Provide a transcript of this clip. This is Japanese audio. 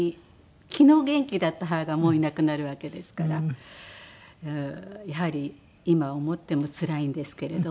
昨日元気だった母がもういなくなるわけですからやはり今思ってもつらいんですけれども。